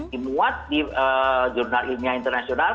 dimuat di jurnal ilmiah internasional